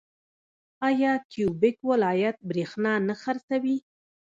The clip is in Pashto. آیا کیوبیک ولایت بریښنا نه خرڅوي؟